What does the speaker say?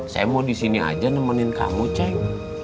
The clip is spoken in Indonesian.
saya mau disini aja nemenin kamu cek